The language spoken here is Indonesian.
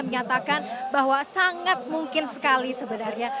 menyatakan bahwa sangat mungkin sekali sebenarnya